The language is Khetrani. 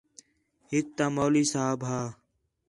ہِک تا مَولی صاحب ہا